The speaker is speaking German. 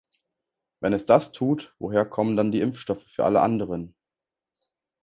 Wenn es das tut, woher kommen dann die Impfstoffe für alle anderen?